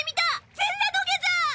全裸土下座！